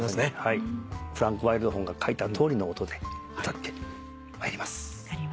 フランク・ワイルドホーンが書いたとおりの音で歌ってまいります。